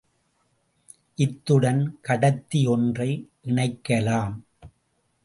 இத்துடன் கடத்தி ஒன்றை இணைக்கலாம்.